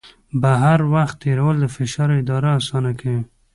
بهر وخت تېرول د فشار اداره اسانه کوي.